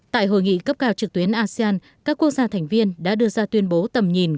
tại hội nghị cấp cao trực tuyến asean các quốc gia thành viên đã đưa ra tuyên bố tầm nhìn